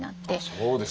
そうですか。